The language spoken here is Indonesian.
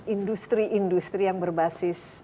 industri industri yang berbasis